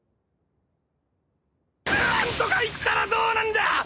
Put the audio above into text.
何とか言ったらどうなんだっ！